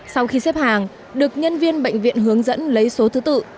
sau khi xếp hàng được nhân viên bệnh viện hướng dẫn lấy số thứ tự